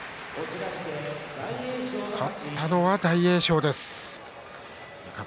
勝ったのは大栄翔です。